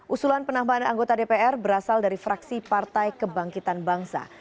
usulan penambahan anggota dpr berasal dari fraksi partai kebangkitan bangsa